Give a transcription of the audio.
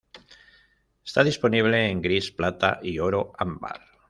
Está disponible en gris, plata y oro ámbar.